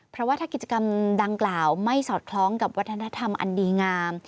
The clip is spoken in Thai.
เพราะว่าถ้ากิจกรรมดังกล่าวไม่สอดคล้องกับวัฒนธรรมอันดีงาม